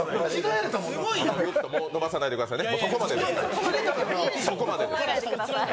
伸ばさないでくださいね。